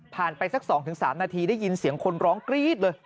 ไปสัก๒๓นาทีได้ยินเสียงคนร้องกรี๊ดเลย